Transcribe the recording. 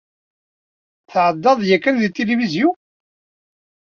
Tɛeddaḍ-d yakan deg tilivizyu?